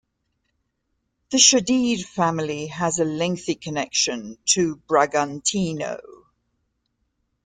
The Chedid family has a lengthy connection to Bragantino.